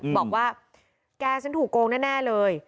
บอกว่าแกฉันถูกโกงแน่เลย